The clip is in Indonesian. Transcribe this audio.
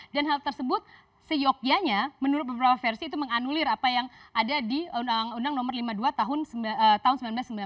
dan hal tersebut seyogyanya menurut beberapa versi itu menganulir apa yang ada di undang no lima puluh dua tahun seribu sembilan ratus sembilan puluh lima